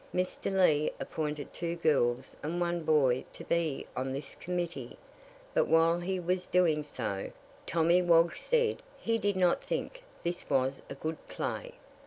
Mr. Lee appointed two girls and one boy to be on this committee; but while he was doing so, Tommy Woggs said he did not think this was a good play.